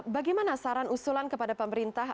bagaimana saran usulan kepada pemerintah